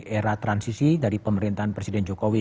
era transisi dari pemerintahan presiden jokowi